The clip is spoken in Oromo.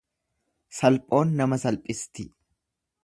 Salphoon nama salphisti.